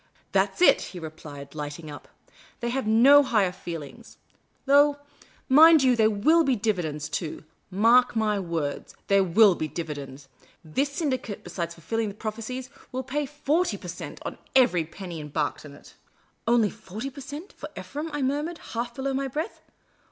" That 's it," he replied, lighting up. " They have no higher feelings. Though, mind you, there will be dividends too ; mark my words, there will be dividends. This syndi cate, besides fulfilling tii? prophecies, will pay forty per cent, on every pemiy embarked in it." " Only forty per cent, for Ephraim !" I murmured, half below my breath.